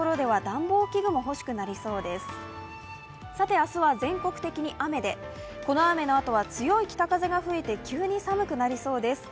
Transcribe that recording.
明日は全国的に雨で、この雨のあとは強い北風が吹いて、急に寒くなりそうです。